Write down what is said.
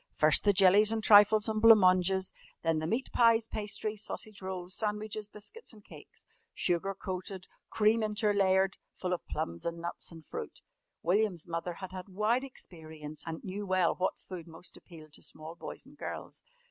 First the jellies and trifles and blanc manges, then the meat pies, pastries, sausage rolls, sandwiches, biscuits, and cakes sugar coated, cream interlayered, full of plums and nuts and fruit. William's mother had had wide experience and knew well what food most appealed to small boys and girls.